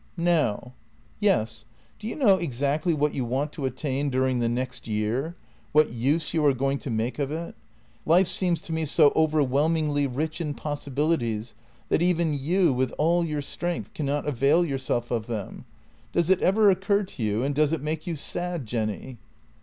" "Now. .." Yes; do you know exactly what you want to attain during the next year — what use you are going to make of it? Life seems to me so overwhelmingly rich in possibilities that even you, with all your strength, cannot avail yourself of them. Does it ever occur to you, and does it make you sad, Jenny?